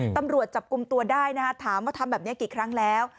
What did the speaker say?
ตำรวจจับกลุ่มตัวได้ถามว่าทำแบบนี้กี่ครั้งแล้ว